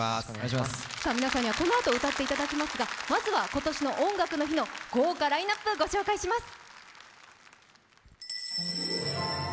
皆さんにはこのあと歌っていただきますが、まずは今年の「音楽の日」の豪華ラインナップをご紹介します。